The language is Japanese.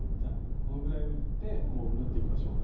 このぐらい打ってもう縫っていきましょうか。